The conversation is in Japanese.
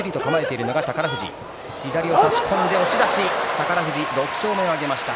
宝富士６勝目を挙げました。